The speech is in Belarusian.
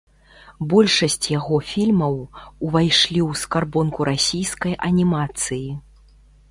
Большасць яго фільмаў увайшлі ў скарбонку расійскай анімацыі.